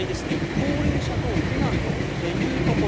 高齢者等避難というところ。